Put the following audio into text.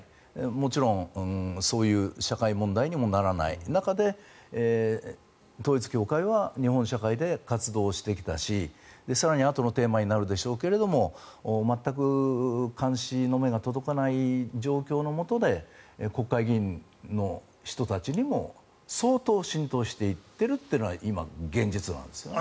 もちろんそういう社会問題にもならない中で統一教会は日本社会で活動をしてきたし更に、あとのテーマになるでしょうけれど全く監視の目が届かない状況のもとで国会議員の人たちにも相当、浸透していってるのが今、現実なんですよね。